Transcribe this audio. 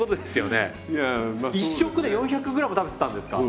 １食で４００ｇ食べてたんですか？